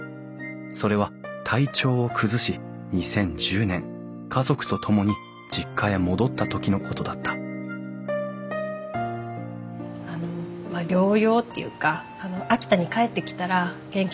それは体調を崩し２０１０年家族と共に実家へ戻った時のことだった療養っていうか秋田に帰ってきたら元気になるんじゃないかなって思って。